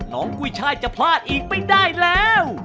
กุ้ยช่ายจะพลาดอีกไม่ได้แล้ว